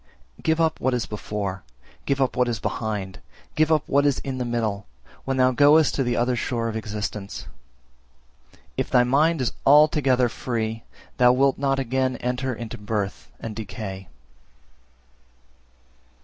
348. Give up what is before, give up what is behind, give up what is in the middle, when thou goest to the other shore of existence; if thy mind is altogether free, thou wilt not again enter into birth and decay.